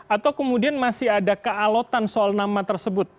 atau kemudian masih ada kealotan soal nama tersebut